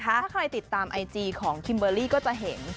ถ้าใครติดตามไอจีของคิมเบอร์รี่ก็จะเห็น